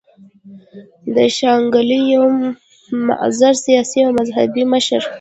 د شانګلې يو معزز سياسي او مذهبي مشر